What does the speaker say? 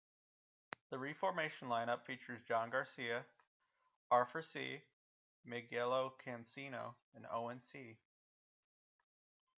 The reformation lineup features John Garcia, Arthur Seay, Miguel Cancino and Owen Seay.